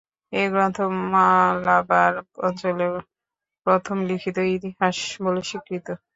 এ গ্রন্থ মালাবার অঞ্চলের প্রথম লিখিত ইতিহাস বলে স্বীকৃত।